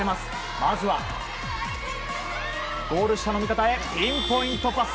まずは、ゴール下の味方へピンポイントパス。